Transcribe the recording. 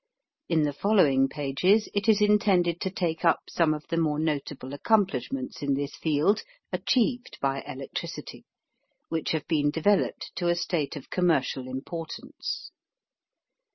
In the following pages it is intended to take up some of the more notable accomplishments in this field achieved by electricity, which have been developed to a state of commercial importance.